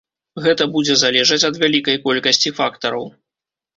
Гэта будзе залежаць ад вялікай колькасці фактараў.